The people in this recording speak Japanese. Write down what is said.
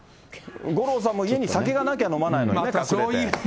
五郎さんも家に酒がなきゃ飲まないのにね。